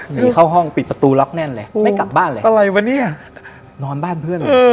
หนีเข้าห้องปิดประตูล็อกแน่นเลยไม่กลับบ้านเลยอะไรวะเนี่ยนอนบ้านเพื่อนเลย